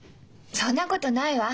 そんなことないわ。